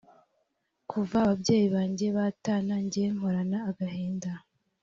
kuva ababyeyi banjye batana njye mporana agahinda